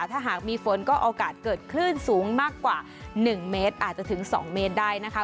ถ้าหากมีฝนก็โอกาสเกิดคลื่นสูงมากกว่า๑เมตรอาจจะถึง๒เมตรได้นะคะ